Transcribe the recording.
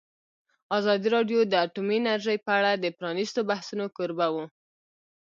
ازادي راډیو د اټومي انرژي په اړه د پرانیستو بحثونو کوربه وه.